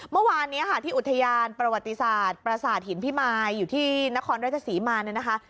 เมื่อวานนี้ค่ะที่อุทยานประวัติศาสตร์ประสาทหินพิมายอยู่ที่นครราชศรีมาเนี่ยนะคะ